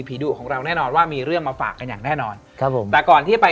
ดุของเราแน่นอนว่ามีเรื่องมาฝากกันอย่างแน่นอนครับผมแต่ก่อนที่จะไป